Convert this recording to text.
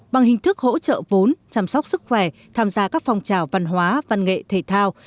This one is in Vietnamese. bằng hình thức hỗ trợ vốn chăm sóc sức khỏe tham gia các phong trào văn hóa văn nghệ thể thao